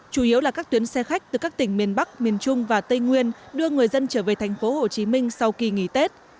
chủ yếu là các tuyến xe khách từ các tỉnh miền bắc miền trung và tây nguyên đưa người dân trở về thành phố hồ chí minh sau kỳ nghỉ tết